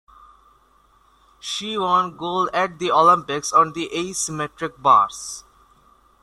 She won gold at the Olympics on the asymmetric bars